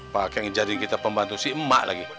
pak yang jadi kita pembantu si emak lagi